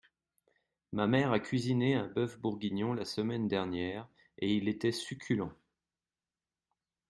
Ma mère a cuisiné un boeuf bourguignon la semaine dernière et il était succulent.